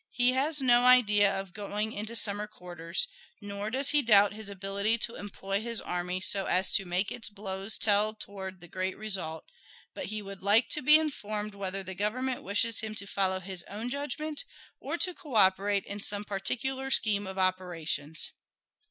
He has no idea of going into summer quarters, nor does he doubt his ability to employ his army so as to make its blows tell toward the great result; but he would like to be informed whether the Government wishes him to follow his own judgment or to co operate in some particular scheme of operations.